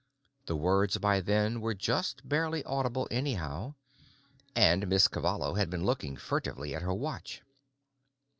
The words by then were just barely audible anyhow; and Miss Cavallo had been looking furtively at her watch.